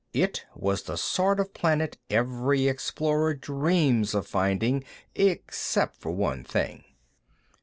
It was the sort of planet every explorer dreams of finding, except for one thing.